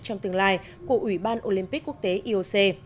trong tương lai của ủy ban olympic quốc tế ioc